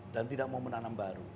dan tidak mau menanam baru